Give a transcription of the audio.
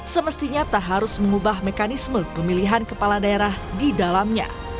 semestinya tak harus mengubah mekanisme pemilihan kepala daerah di dalamnya